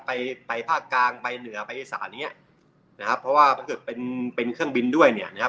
ไปไปภาคกลางไปเหนือไปอีสานเนี้ยนะครับเพราะว่าถ้าเกิดเป็นเป็นเครื่องบินด้วยเนี่ยนะครับ